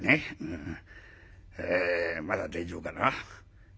あまだ大丈夫かな？